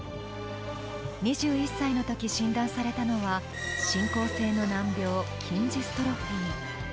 ２１歳のとき診断されたのは、進行性の難病、筋ジストロフィー。